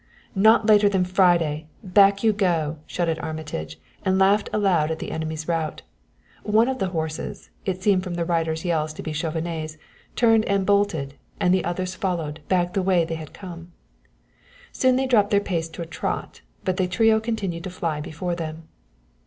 "'Not later than Friday' back you go!" shouted Armitage, and laughed aloud at the enemy's rout. One of the horses it seemed from its rider's yells to be Chauvenet's turned and bolted, and the others followed back the way they had come. Soon they dropped their pace to a trot, but the trio continued to fly before them.